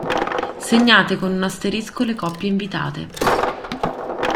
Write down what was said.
Segnate con un asterisco le coppie invitate.